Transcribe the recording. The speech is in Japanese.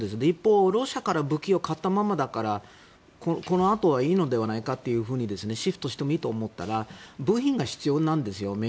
一方、ロシアから武器を買ったままだからこのあとはいいのではないかとシフトしてもいいと思ったら部品が必要なんですよ。